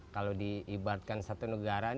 kalau diibatkan satu negara